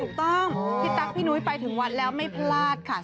ถูกต้องพี่ตั๊กพี่นุ้ยไปถึงวัดแล้วไม่พลาดค่ะ